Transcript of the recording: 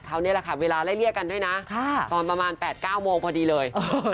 ตัวประมาณ๘๙โมงพอดีเลย